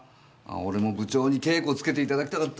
俺も部長に稽古つけていただきたかったな。